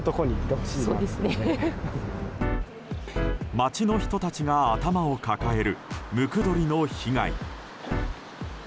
街の人たちが頭を抱えるムクドリの被害。